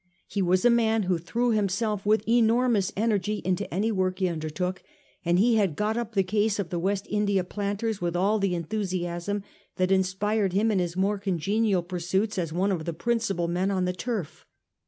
He was a man who threw himself with enormous energy into any work he undertook; and he had got up the case of the West India planters with all the enthusiasm that inspired him in his more congenial pursuits as one of the principal men on the turf.